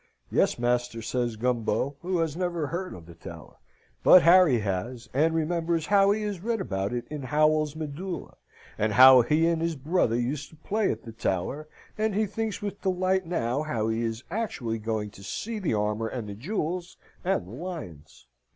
"Yes, master," says Gumbo, who has never heard of the Tower; but Harry has, and remembers how he has read about it in Howell's Medulla, and how he and his brother used to play at the Tower, and he thinks with delight now, how he is actually going to see the armour and the jewels and the lions.